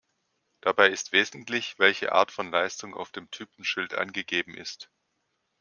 Dabei ist wesentlich, welche Art von Leistung auf dem Typenschild angegeben ist.